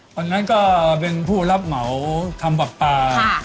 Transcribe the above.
ตอนนั้นก็เป็นผู้รับเหมาทำปลา